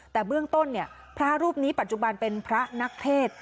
แต่เบื้องต้นพระรูปนี้ปัจจุบันเป็นพระนักเทศ